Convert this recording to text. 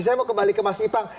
saya mau ke tempat ibadah ini ya